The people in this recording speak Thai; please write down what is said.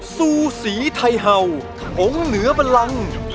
สู้สีไทเฮาองค์เหนือปลัง